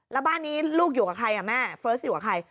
แล้วบ้านนี้ลูกอยู่กับใครแม่เฟิร์สอยู่กับใคร